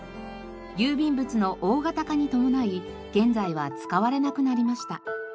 郵便物の大型化に伴い現在は使われなくなりました。